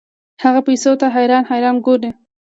هغه پیسو ته حیران حیران ګوري.